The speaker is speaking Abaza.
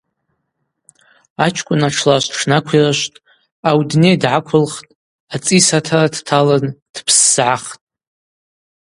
Ачкӏвын атшлашв тшнаквирышвтӏ, аудней дгӏаквылхтӏ, ацӏис атара дталын дпссгӏахтӏ.